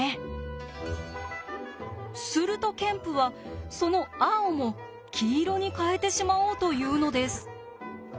するとケンプはその青も黄色に変えてしまおうというのです。